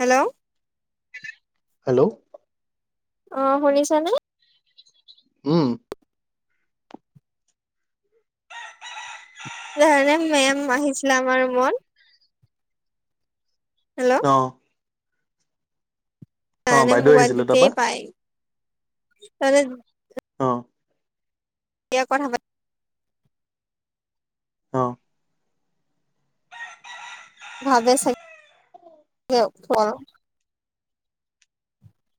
Hello, hello, অ, শুনিছানে? উম, ধণে মেম আহিছিলে আমাৰ ৰুমত। হেল্ল', অ অ তনে বাইদেউ আহিছিলে মোবাইলটোতে তাৰপা পাই ত অ', এয়া কথা পাতি অ', ভাবে চাগে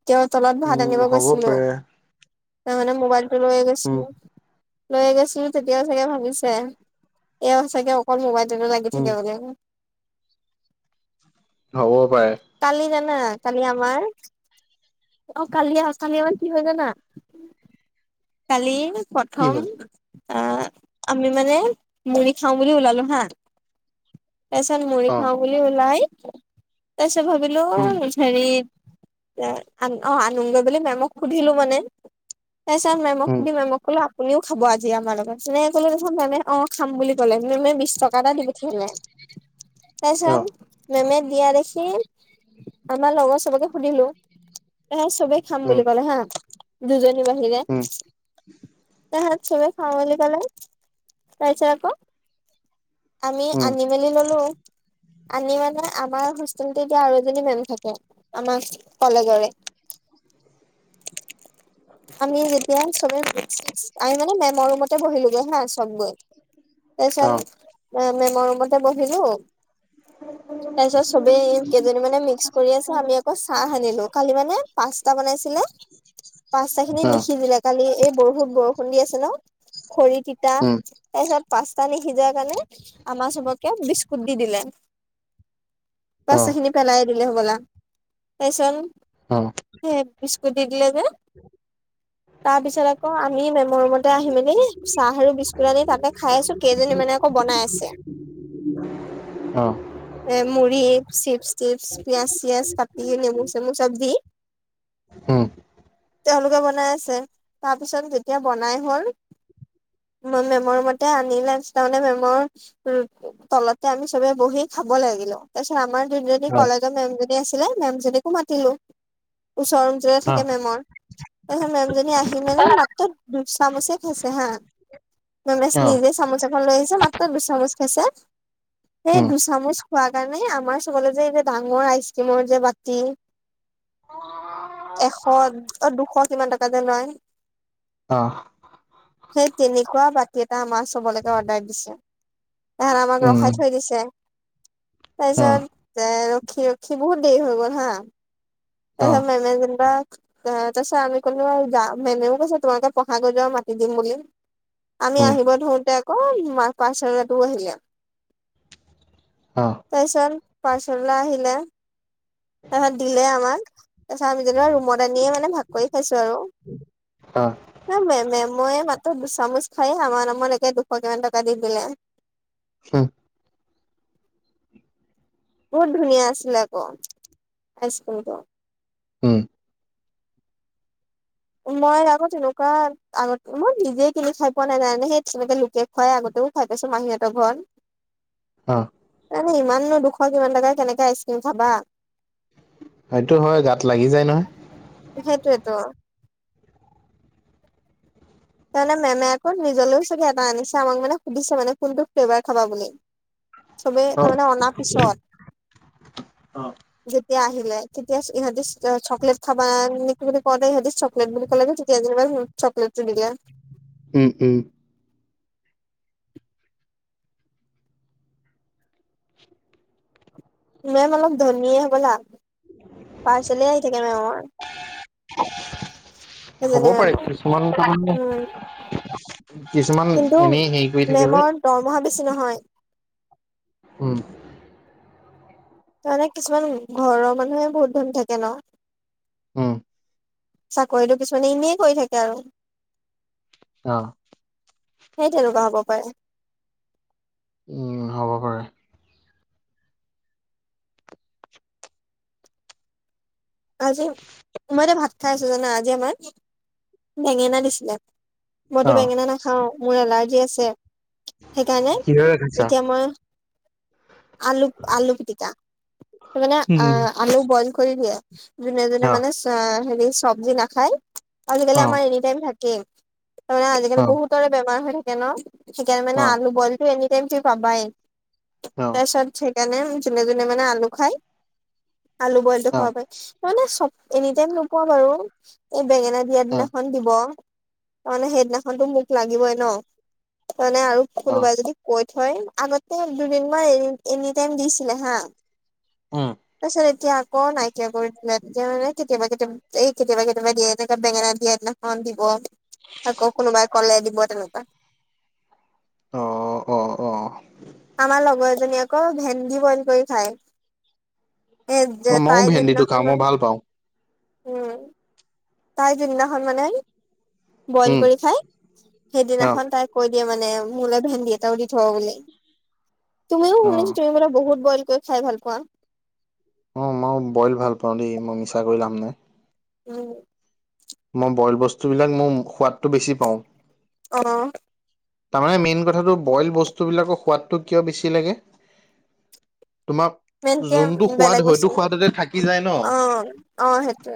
তেওঁ তলত ভাত উম আনিব হ'ব গৈছিলো, পাৰে তাৰ মানে মোবাইলটো লৈয়ে উম গৈছিলো। লৈ গৈছিলো তেতিয়াও চাগে ভাবিছে? এই চাগে অকল মোবাইলটো লাগি উম থাকে বুলি। হব পায়। কালি জানা, কালি আমাৰ অ, কালি আহ, কালি আমাৰ কি হয় জানা? কালি কি প্ৰথম হ'ল অ, আমি মানে মুৰি খাওঁ বুলি ওলালো হা। তাৰপিছত মুৰি অ খাও বুলি ওলাই, তাৰপিছত ভাবিলো? উম হেৰি অ আনগ বুলি মেমক সুধিলো মানে। তাৰপিচত মেম উম সুধি মেমক কলো আপুনিও খাব আজি আমাৰ লগত মেমে কলে নখ মে অ খাম বুলি ক'লে, বিশ টকা এটা দিব পঠিয়ালে। অ তাৰপিছত মেমে দিয়া দেখি, আমাৰ লগৰ চবকে সুধিলো এ চবে খাম উম বুলি কলে হা, দুজনী বাহিৰে। উম ত হাত চবে খাম বুলি কলে, তাৰপিছত আকৌ আমি উম আনি মেলি ললো, আনি মানে আমাৰ এতিয়া আৰু এজনী মেম থাকে আমাৰ কলেজৰে [inaudible] আমি যেতিয়া চবে আমি মানে মেমৰ ৰুমতে বহিলোগে হা চব গৈ। অ তাৰপিছত মেমৰ ৰুমতে বহিলো, হয় [unintelligible] তাৰ পিছত চবেই কেইজনী মানে মিক্স কৰি আছে, আমি আকৌ চাহ সানিলো কালি মানে পাস্তা বনাইছিলে? পচ্তা খিনি অ নিসিজিলে দিলে কালি এই বৰষুত বৰষুণ দি আছে ন খৰি তিতা উম তাৰ পিছত পাস্তা নিসিজাৰ কাৰণে আমাৰ চবকে বিস্কুট দি দিলে। অ পচ্তা খিনি পেলাই দিলে হ'বলা। তাৰপিচত, অ [unintelligible] তাৰ পিছত, আকৌ আমি, মে'মৰ ৰুমতে আহি মেলি, চাহ আৰু বিস্কুট আনি, তাতে খাই আহিছোঁ। কেইজনী মানে, আকৌ বনাই আছে। [inaudible] অ'! এ মুড়ি, চিপছ- টিপছ, পিয়াজ-চিয়াজ কাটি, নেমু- চেমু, চব দি উম তেওঁলোকে বনাই আছে। তাৰ পিছত, যেতিয়া বনাই হ'ল মই মে'মৰ মতে, আনিলে। তাৰমানে, মে'মৰ উম! তলতে আমি, চবে বহি খা খাবলে লাগিলোঁ। তাৰপিছত, আমাৰ দুজনী অ কলেজৰ মে'ম আছিলে, মে'ম জনীকো মাতিলোঁ। ওচৰ ৰুমটোতে থাকে, মে'মৰ। তাৰপিছত, মে'মজনী আহি মেলি, মাত্ৰ, দুচামুচে খাইছে হা। মে'মে অ অ নিজে, চামুচ এখন লৈ আহিছে, মাত্ৰ দুচামুচ খাইছে। সেই, উম দুচামুচ খোৱাৰ কাৰণে, আমাৰ চবলে যে, এই যে, ডাঙৰ আইচক্ৰীমৰ যে বাতি এশ, দুশ কিমান টকা যে লয়। অ সেই, তেনেকুৱা বাতি এটা, আমাৰ চবলৈকে অৰ্ডাৰ দিছে। সেইকাৰণে, আমাক উম ৰখাই থৈ দিছে। অ তাৰপিছত, এ, ৰখি-ৰখি, বহুত দেৰি হৈ গ'ল হা! অ তাৰপিছত, মে'মে যেনিবা তাৰপিছত, তাৰপিছত আমি ক'লো! যাওঁ। মে'মেও কৈছে! তোমালোকে পঢ়াগৈ যোৱা, মাতি দিম বুলি। আমি উম আহিব ধৰোঁতে আকৌ, [unintelligible] পাৰ্চেলঅলাটো আহিলে। অ'! তাৰপিছত, পাৰ্চেল অলা আহিলে। তাৰপিছত, দিলে আমাক। তাৰপিছত, আমি যেনিবা, ৰুমত আনিয়ে মানে, ভাগ কৰি খাইছোঁ আৰু। অ'! মানে মে'মে, মইয়ে, মাত্ৰ দুচামুচ খাইয়ে, আমাৰ আমাৰ নামত একে, দুশ কিমান টকা! দি দিলে। উম বহুত ধুনীয়া আছিলে, আকৌ আইচক্ৰীমটো! উম মই, আকৌ তেনেকুৱাত আগতে, মই নিজে কিনি খাই পোৱা নাই। [unintelligible] সেই তেনেকে, লোকে খুৱাই আগতেও, খাই পাইছোঁ মাহীহঁতৰ ঘৰত। [inaudible] অ'! তাৰমানে, ইমাননো দুশ কিমান টকা, কেনেকে আইচক্ৰীম খাবা! সইটো হয়, গাত লাগি যায় নহয়! সেইটোৱেতো! তাৰমানে, মেমে আকৌ, নিজলৈও চাগে, এটা আনিছে। আমাক মানে, সুধিছে! কোনটো ফ্লেভাৰ খাবা বুলি। চবেই, অ তাৰমানে, অনাৰ পিছত। অ যেতিয়া, আহিলে। তেতিয়া, ইহঁততি চক্লেট খাবা, নেকি বুলি কওঁতে! ইহঁতি চক চকলেট বুলি ক'লে যে, তেতিয়া যেনিবা, চকলেটটো দি দিয়া। উম! উম! মে'ম অলপ ধনীয়ে হ'বলা! পাৰ্চেলে আহি থাকে, মে'মৰ। [inaudible] হ'ব এজনী পাৰে! মেমৰ কিছুমান উম [unintelligible] কিছুমান, কিন্তু এনেই হেৰি কৰি থাকে যে। মেমৰ দৰমহা বেছি নহয়। উম! তাৰমানে, কিছুমান ঘৰৰ মানুহে, বহুত ধনী থাকে ন'! উম! চাকৰিটো কিছুমানে, এনেই কৰি থাকে আৰু। অ'! সেই তেনেকুৱা হ'ব পাৰে। উম! হ'ব পাৰে। আজি, মই এতিয়া ভাত খাই আছো জানা, আজি আমাৰ বেঙেনা দিছিলে। মইতো অ বেঙেনা নাখাওঁ, মোৰ এলাৰ্জি আছে সেইকাৰণে কিহৰে খাইছা এতিয়া মই আলু আলু পিটিকা মানে আ, উম আলু বইল কৰি দিয়ে, যোনে যোনে অ মানে হেৰি চব্জি নাখায় আজিকালি অ আমাৰ এনি টাইম থাকে, তাৰানে আজিকালি অ বহুতৰে বেমাৰ হৈ থাকে ন'। সেইকাৰনে মানে অ আলু বইলটো এনিটাইম তুমি পাবাই। অ তাৰপিছত ঢে সেইকাৰণে যোনে যোনে মানে আলু খাই, আলু বইলটো অ খাব পায়। মানে চব, এনি টাইম নোপোৱা বাৰু, এই বেঙেনা দিয়া অ দিনাখন দিব। তাৰমানে সেইদিনাখনতো মোক লাগিবই ন' তাৰমানে আৰু অ কোনোবাই যদি কৈ থয় আগতে দুদিন মান এ, এনি টাইম দিছিলে হা, উম তাৰছত এতিয়া আকৌ নাই। এতিয়া কৰি যোনে কেতিয়াবা কেতিয়াবা এই কেতিয়াবা কেতিয়াবা দিয়ে, এই বেঙেনা দিয়া দিনাখন দিব। আকৌ কোনোবাই ক'লে দিব, তেনেকুৱা। অ', অ'। অ'। আমাৰ লগৰ এজনী আকৌ ভেন্দি বইল কৰি খায়। এই যে অ মইও তাই যোন ভেন্দিটো দিনাখন খাওঁ মই মানে, ভাল পাওঁ উম। তাই যোন দিনাখন মানে বইল উম কৰি খাই অ সেইদিনাখন তাই কৈ দিয়ে মানে মোলৈ ভেন্দি এটাও দি থ'ব বুলি। তুমিও অ শুনিছোঁ তুমি বোলে বহুত বইল কৰি খাই ভাল পোৱা। অ' মই বইল ভাল পাওঁ দেই, মই মিছা কৈ লাভ নাই। উম। মই বইল বস্তুবিলাক মোৰ সোৱাদটো বেছি পাওঁ। অ'। তাৰমানে মেইন কথাটো বইল বস্তুবিলাকৰ সোৱাদটো কিয় বেছি লাগে তোমাক মেনকে যোনটো সোৱাদ বেলেগ বস্তু, হয়তো সোৱাদতে থাকি যায় ন অ', অ' সেইটোৱে।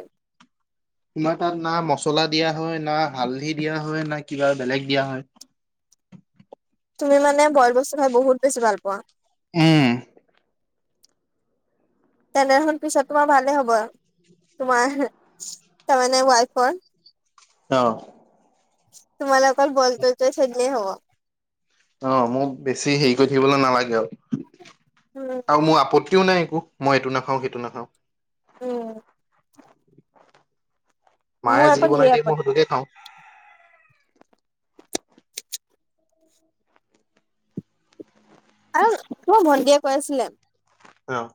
তোমাৰ তাত না মছলা দিয়া হয়, না হালধি দিয়া হয়, না কিবা বেলেগ দিয়া হয়। তুমি মানে বইল বস্তু খাই বহুত বেছি ভাল পোৱা? উম। তেনেহ'লে পিছত তোমাৰ ভালে হ'ব, তোমাৰ ৱাইফৰ। অ'। তোমালে অকল বইল কৰি কৰি থৈ দিলেই হ'ব। অ' মোক বেছি হেৰি কৰি থাকিবলৈ নালাগে আৰু, উম আৰু মোৰ আপত্তিও নাই একো। মই এইটো নাখাওঁ, সেইটো নাখাওঁ। উম। মায়ে মোৰ যি আকৌ ধেৰ বনাই দিয়ে মই আপত্তি সেইটোকে খাওঁ। আৰু মোৰ ভণ্টিয় কৈ আছিলে অ'।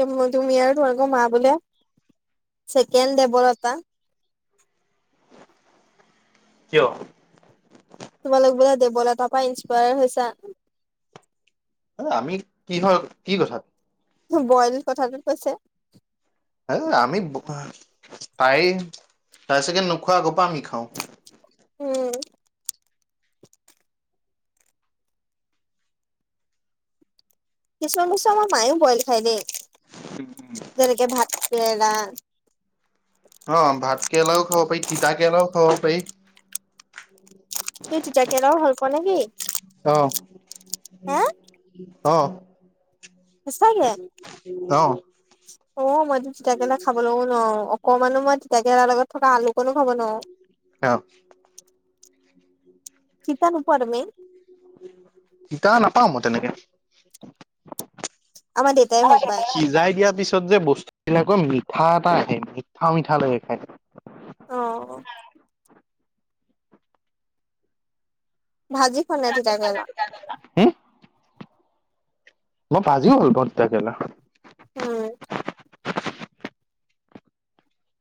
তুমি আৰু তোমালোকৰ মা বোলে ছেকেণ্ড দেৱৰ এটা কিয়? তোমালোক বোলে দেৱলাতাৰপৰা ইনস্পায়াৰ হৈছা। এ, আমি কিহৰ, কি কথা? বইল কথাটো কৈছে। হে, আমি তাই তাই চাগে নোখোৱা আগৰপৰা আমি খাওঁ। উম। কিছুমান বস্তু আমাৰ মায়ো বইল খাই দেই। [unintelligible] যেনেকে ভাত কেৰেলা। অ' ভাত কেৰেলাও খাব পাৰি, তিতা কেৰেলাও খাব পাৰি। তুমি তিতা কেৰেলা ভাল পোৱা নে কি? অহ, অহ, সচাকে। অ, মইতো তিতাকেেলা খাব লগও নোৱাৰো। অকমানো মই তিতাকেলাৰ লগত থকা আলুকণো খাব নোৱাৰো। অ, তিতা নোপোৱা তুমি? তিতা নাপাওঁ মই তেনেকে। আমাৰ দেউতাই ভাল পায়। সিজাই দিয়াৰ পিছত যে বস্তু এইিলাক কৈ মিঠা এটা আহে, মিঠা-মিঠা লাগে খাই। অ', ভাজি খোৱা খোৱা তিতা কেৰেলা। উম, মই ভাজিও ভাল পাও তেতা কেৰেলা। উম,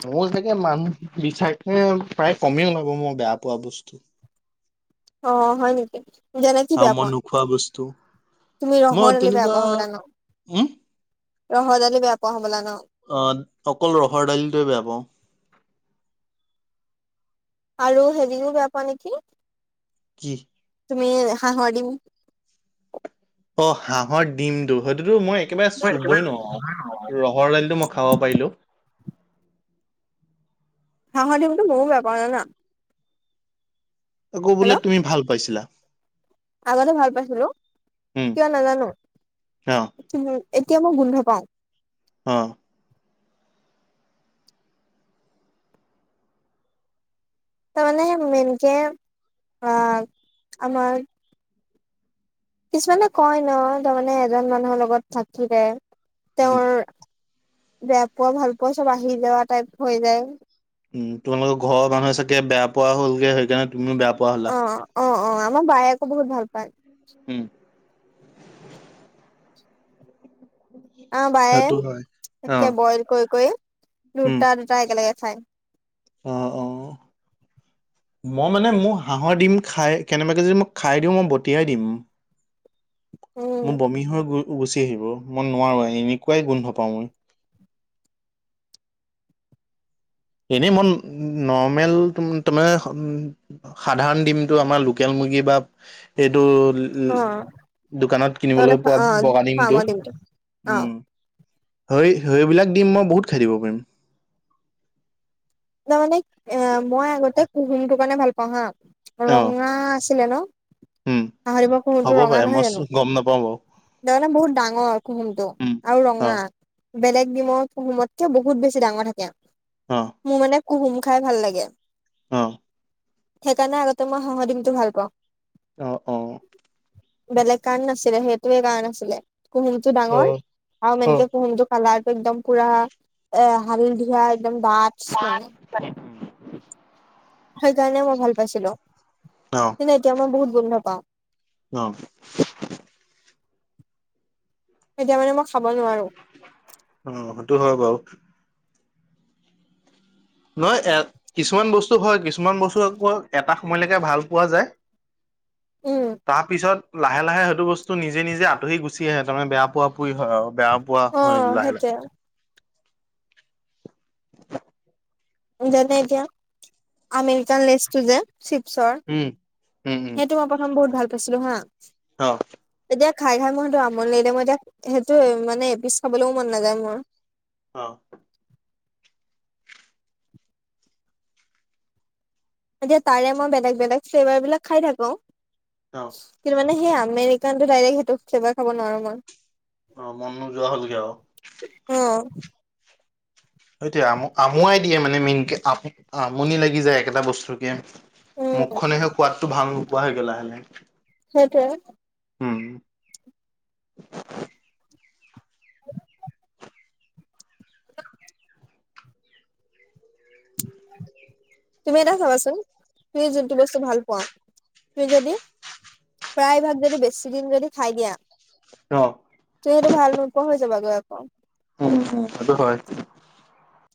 মই চাগে মানুহ বিচাৰে প্ৰায় কমে ওলাব মই বেয়া পোৱা বস্তু। অ, হয় নেকি? যেনে কি আৰু বেয়া মই পোৱা? নোখোৱা বস্তু তুমি মই ৰহৰ দালি বেয়া তেনেকুৱা পোৱা হবলা ন? উম ৰহৰ দালি বেয়া পোৱা হবলা ন? অ, অকল ৰহৰ দালিটোয়ে বেয়া পাওঁ। আৰু হেৰিও বেয়া পোৱা নেকি? কি? তুমি হাহৰ ডিম। অ, হাঁহৰ ডিমতো সেইটোতো মই একেবাৰে চুবই নোৱাৰো আৰু। ৰহৰ দাইলটো মই খাব পাৰিলোঁ। হাহৰ দিনটো ময়ো বেয়া পাও জানা। আকৌ বোলে হেল্ল' তুমি ভাল পাইছিলা। আগতে ভাল পাইছিলো, উম কিয়া নাজানো? অ এতিয়া মই গোন্ধ পাও। অ', তাৰ মানে মেইকে আমাৰ কিছুমানে কয় ন' তাৰমানে এজন মানুহৰ লগত থাকিলে উম তেওঁৰ, বেয়া পোৱা ভাল পোৱা চব আহি যোৱা টাইপ হৈ যায়। উম, তোমালোকৰ ঘৰৰ মানুহ চাগে বেয়া পোৱা হ'লগে সেইকাৰণে তুমিও বেয়া পোৱা অ হলা। অ, অ, আমাৰ বায়ে আকৌ বহুত ভাল পায়। উম, আমাৰ সেইটো হয় বায়ে অ একে বইল কৰি-কৰি উম দুটা-দুটা একেলগে খায়। অ, অ, মই মানে মোৰ হাঁহৰ দিম খাই কেনেবাকে যদি মই খাই দিওঁ মই বটিয়াই দিম। উম মোৰ বমি হৈ গুচি আহিব মই নোৱাৰো এনেকুৱাই গোন্ধ পাওঁ মই। এনেই মই নৰ্মেল তাৰমানে। সাধাৰণ ডিমটো আমাৰ লোকেল মুৰ্গী বা এইটো উ অ দোকানত তাৰমানে কিনিবলে পোৱা অ বগা ডিমটো ফাৰ্মৰ অ উম, হয়, সেইবিলাক ডিম মই বহুত খাই দিব পাৰিম। তাৰ মানে এ মই আগতে কুহুমটো কাৰণে ভাল পাওঁ হা অ ৰঙা আছিলে ন। উম হাঁহৰ ডিমৰ হ'ব কুহুমটো ৰঙা পাৰে মই নহয় জানো? গম নাপাওঁ বাৰু তাৰমানে বহুত ডাঙৰ কুহুমটো উম আৰু অ ৰঙা। বেলেগ ডিমৰ কুহুমতকে বহুত বেছি ডাঙৰ থাকে। অঁ, মোৰ মানে কুহুম খাই ভাল লাগে। অ', সেইকাৰণে আগতে মই হাঁহৰ দিমতটো ভাল পাওঁ। অ অ। বেলেগ কাৰণ নাছিলে সেইটোে কাৰণ আছিলে। ক অ অ অ [unintelligible] [inaudible] [inaudible] সেই কাৰণে মই ভাল পাইছিলো। অ। এতিয়া বহুত গোন্ধ পাওঁ। অ। এতিয়া মানে মই খাব নোৱাৰো। অ সেইটো হয় বাৰু। নহ এ কিছুমান বস্তু হয় কিছুমান বস্তু আকৌ এটা সময়লৈকে ভাল পোৱা যায় উম তাৰ পিছত লাহে লাহে সেইটো বস্তু নিজে নিজে আঁতৰি গুচি আহে, তাৰমানে বেয়া পোৱা পুৰি হয় আৰু বেয়া পোৱা অ হয় লাহে লাহে। সেইটোৱে যেনে এতিয়া আমেৰিকান লেচটো যে চিপছৰ উম উম উম সেইটো প্ৰথম বহুত ভাল পাইছিলো হা, অ। এতিয়া খাই খাই মই সেইটো আমনি লাগিলে, মই এতিয়া সেইটোৱে মানে এ পিচ খাবলৈও মন নাযায় মোৰ। অ। এতিয়া তাৰে মই বেলেগ বেলেগ ফ্লেভাৰ বিলাক খাই থাকো, অ কিন্তু মানে সেই আমে ডাইৰেক্ট সেইটো ফ্লেভাৰ খাব নোৱাৰো মই। অ মন নোযোৱা হ'লগে আৰু। অ। সেইটো আম-আমুৱাই দিয়ে মানে মেইনকে, আ-আমনি লাগি যায় একেটা বস্তুকে মুখ উম, খনেহ সোৱাদটো ভাল নোপোৱা হয় গে লাহে লাহে। সেইটোৱে। উম। [inaudible] তুমি এটা চাবাচোন তুমি যোনটো বস্তু ভাল পোৱা তুমি যদি প্ৰায় ভাগ যদি বেছি দিন যদি খাই দিয়া অ। তুমি সেইটো ভাল নোপোৱা হৈ যাবা আকৌ। উম উম সেইটো হয়।